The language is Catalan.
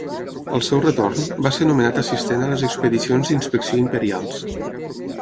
Al seu retorn, va ser nomenat assistent a les expedicions d'inspecció imperials.